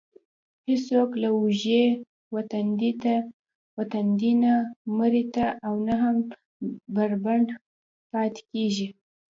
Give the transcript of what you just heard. هېڅوک له لوږې و تندې نه مري او نه هم بربنډ پاتې کېږي.